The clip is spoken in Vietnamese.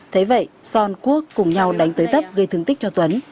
thế vậy son quốc cùng nhau đánh tới tấp gây thương tích cho tuấn